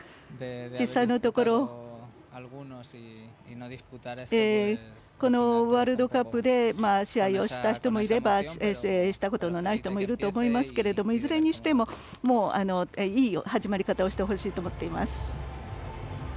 実際のところこのワールドカップで試合をした人もいればしたことのない人もいると思いますけどもいずれにしてもいい始まり方をしてほしいと思っています。